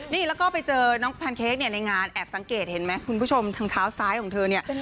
นี่แล้วก็ไปเจอน้องแพนเค้กเนี่ยในงานแอบสังเกตเห็นไหมคุณผู้ชมทางเท้าซ้ายของเธอเนี่ย